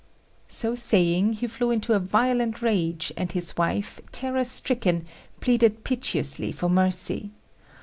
So saying, he flew into a violent rage, and his wife, terror stricken, pleaded piteously for mercy.